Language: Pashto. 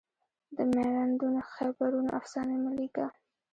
د میوندونو خیبرونو افسانې مه لیکه